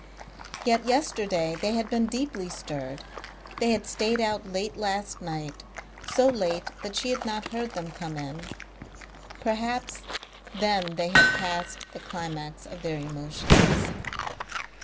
Yet yesterday they had been deeply stirred. They had stayed out late last night, so late that she had not heard them come in. Perhaps then they had passed the climax of their emotions.